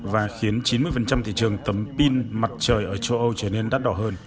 và khiến chín mươi thị trường tấm pin mặt trời ở châu âu trở nên đắt đỏ hơn